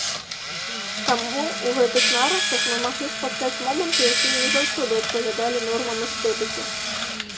Таму ў гэтых нарысах мы маглі спаткаць моманты, якія не заўсёды адпавядалі нормам эстэтыкі.